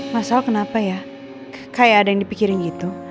mas sal kenapa ya kayak ada yang dipikirin gitu